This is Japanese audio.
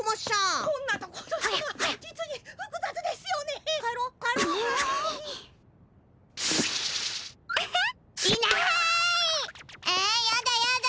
えやだやだ。